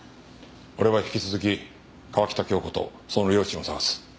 俺は引き続き川喜多京子とその両親を捜す。